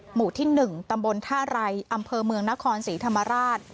หมู่ที่๑ตำบลท่าไรอำเภอเมืองนครศรีธรรมราช